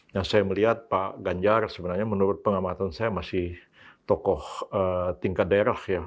yang saya melihat pak ganjar sebenarnya menurut pengamatan saya masih tokoh tingkat daerah ya